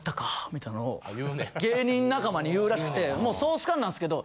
芸人仲間に言うらしくてもう総スカンなんですけど。